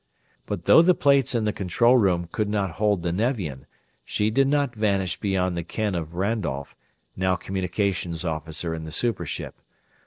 But though the plates in the control room could not hold the Nevian, she did not vanish beyond the ken of Randolph, now Communications Officer in the super ship.